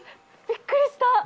びっくりした。